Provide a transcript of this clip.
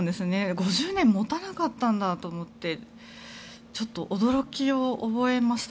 ５０年持たなかったんだと思ってちょっと驚きを覚えました。